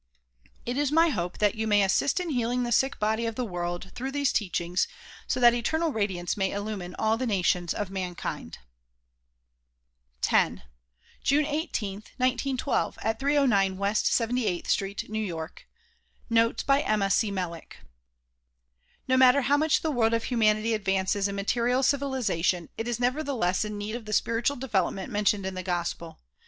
It is my hope that you may assist in healing the sick body of the world through these teachings, so that eternal radiance may illumine all the nations of mankind. X June 18, 1912, at 309 West 78th Street, New York. Notes by Emma C. Melick NO matter how much the world of humanity advances in material civilization it is nevertheless in need of the spiritual develop ment mentioned in the gospel.